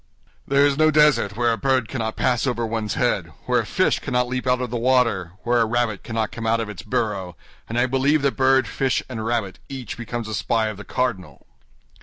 "There is no desert where a bird cannot pass over one's head, where a fish cannot leap out of the water, where a rabbit cannot come out of its burrow, and I believe that bird, fish, and rabbit each becomes a spy of the cardinal.